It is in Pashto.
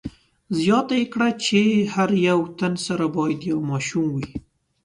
زیاته یې کړه چې هر یو تن سره باید یو ماشوم وي.